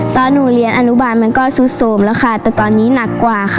ตอนหนูเรียนอนุบาลมันก็สุดสมแหละแต่ตอนนี้หลากกว่า